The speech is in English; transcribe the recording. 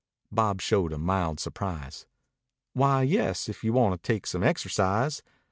Bob showed a mild surprise. "Why, yes, if you want to take some exercise.